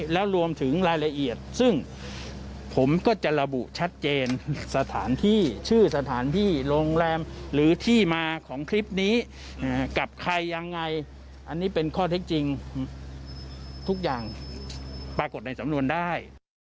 แล้วรวมถึงรายละเอียดซึ่งผมก็จะระบุชัดเจนสถานที่ชื่อสถานที่โรงแรมหรือที่มาของคลิปนี้กับใครยังไงอันนี้เป็นข้อเท็จจริงทุกอย่างปรากฏในสำนวนได้